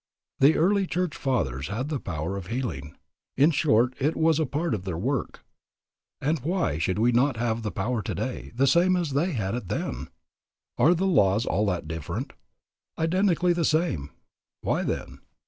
The early church fathers had the power of healing, in short, it was a part of their work. And why should we not have the power today, the same as they had it then? Are the laws at all different? Identically the same. Why, then?